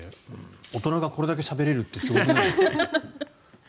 大人がこれだけしゃべれるってすごくないですか？